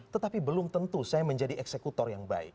tetapi belum tentu saya menjadi eksekutor yang baik